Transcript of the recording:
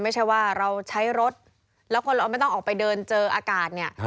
ไม่ใช่ว่าเราใช้รถแล้วคนเราไม่ต้องออกไปเดินเจออากาศเนี่ย